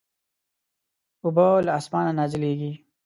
اوبه له اسمانه نازلېږي.